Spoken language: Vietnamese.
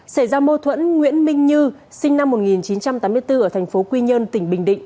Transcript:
xảy ra mâu thuẫn nguyễn minh như sinh năm một nghìn chín trăm tám mươi bốn ở thành phố quy nhơn tỉnh bình định